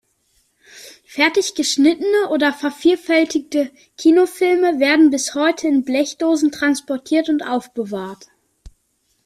Fertig geschnittene oder vervielfältigte Kinofilme werden bis heute in Blechdosen transportiert und aufbewahrt.